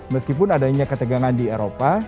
meskipun adanya ketegangan di eropa